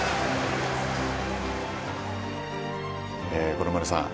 五郎丸さん